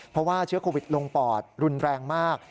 เพราะว่าเชื้อโควิดลงปอดรุนแรงมาก